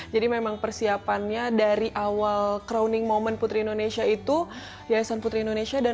jadi memang persiapannya dari awal crowning moment putri indonesia itu yayasan putri indonesia dan